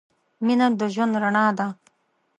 مینه د ژوند رڼا ده.